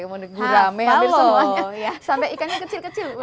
sampai ikannya kecil kecil